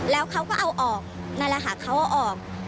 แล้วเขาก็เอาออกนั่นแหละค่ะเขาเอาออก